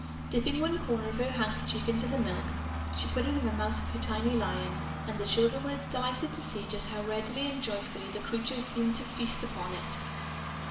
Dipping one corner of her handkerchief into the milk, she put it in the mouth of her tiny lion and the children were delighted to see how readily and joyfully the creature seemed to feast upon it.